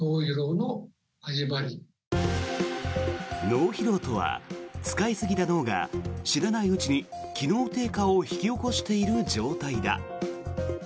脳疲労とは使いすぎた脳が知らないうちに機能低下を引き起こしている状態だ。